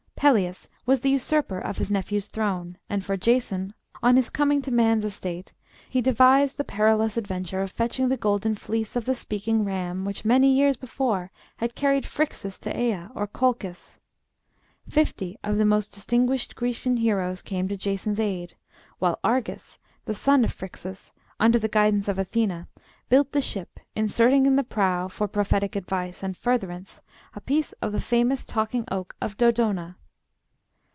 Pelias was the usurper of his nephew's throne; and for Jason, on his coming to man's estate, he devised the perilous adventure of fetching the golden fleece of the Speaking Ram which many years before had carried Phrixus to Æa, or Colchis. Fifty of the most distinguished Grecian heroes came to Jason's aid, while Argus, the son of Phrixus, under the guidance of Athena, built the ship, inserting in the prow, for prophetic advice and furtherance, a piece of the famous talking oak of Dodona.